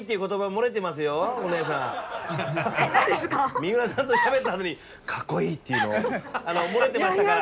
三浦さんとしゃべったあとに「かっこいい」っていうの漏れてましたから。